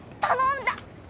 頼んだ！